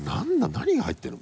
何が入ってるの？